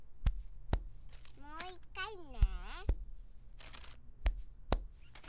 もういっかいね。